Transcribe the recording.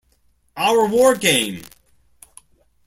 Our War Game!